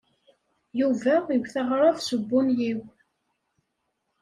Yuba iwet aɣrab s ubunyiw.